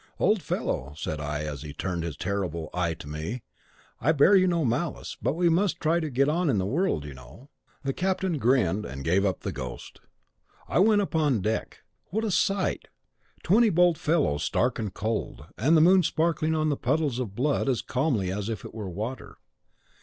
"'Old fellow,' said I, as he turned his terrible eye to me, 'I bear you no malice, but we must try to get on in the world, you know.' The captain grinned and gave up the ghost. I went upon deck, what a sight! Twenty bold fellows stark and cold, and the moon sparkling on the puddles of blood as calmly as if it were water.